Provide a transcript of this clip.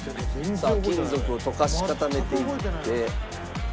「さあ金属を溶かし固めていって」